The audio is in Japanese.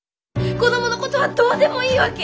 子供のことはどうでもいいわけ！？